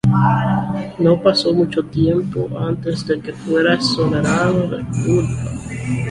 No pasó mucho tiempo antes de que fuera exonerado de culpa.